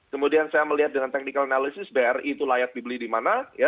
kemudian saya melihat dengan technical analisis bri itu layak dibeli di mana